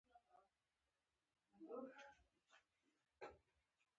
په عملي ډول اشراف له سیاسي ځواک څخه ډېر برخمن دي.